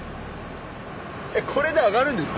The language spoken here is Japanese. これで上がるんですか？